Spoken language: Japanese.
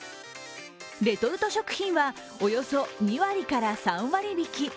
レトルト食品はおよそ２割から３割引。